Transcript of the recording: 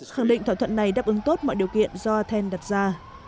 khẳng định thỏa thuận này đáp ứng tốt mọi điều kiện do athen đặt ra